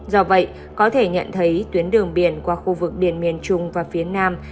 do vậy có thể nhận thấy tuyến đường biển qua khu vực biển miền trung và phía nam